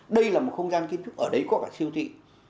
đây là một không gian kiến thức ở đấy có cả siêu thị